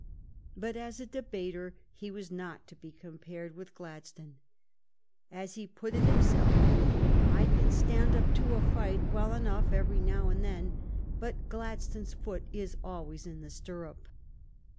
But as a debater he was not to be compared with Gladstone. As he put it himself :" I can stand up to a fight well enough every now and then, but Gladstone's foot is always in the stirrup."